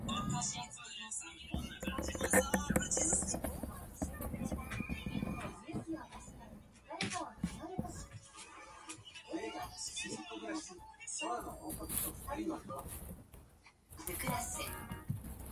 The Wilkinson Sword Company made the knife with minor pommel and grip design variations.